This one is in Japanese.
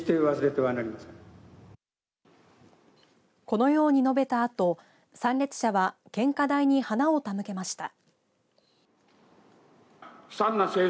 このように述べたあと参列者は献花台に花を手向けました。